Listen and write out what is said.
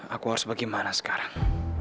aku harus bagaimana sekarang